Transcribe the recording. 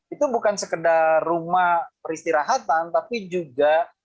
itu bukan sekedar rumah peristirahatan tapi juga